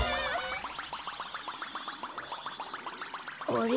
あれ？